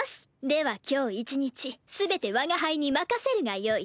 では今日一日全て我が輩に任せるがよい。